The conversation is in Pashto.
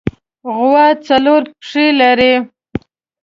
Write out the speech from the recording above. غوا څلور پښې لري.